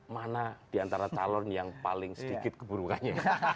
mana diantara calon yang paling sedikit keburukannya